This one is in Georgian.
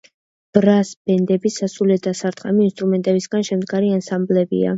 ბრას ბენდები სასულე და დასარტყამი ინსტრუმენტებისგან შემდგარი ანსამბლებია.